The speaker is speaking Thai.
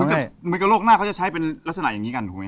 เหมือนกับโลกหน้าเขาจะใช้เป็นลักษณะอย่างนี้กันถูกไหม